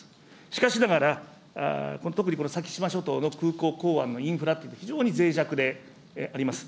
しかしながら、特に先島諸島の空港港湾のインフラというのは、非常にぜい弱であります。